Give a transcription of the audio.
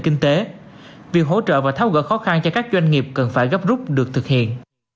kinh tế việc hỗ trợ và tháo gỡ khó khăn cho các doanh nghiệp cần phải gấp rút được thực hiện